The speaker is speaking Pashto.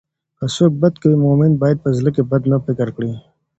که څوک بد کوي، مؤمن باید په زړه کې بد نه فکر کړي.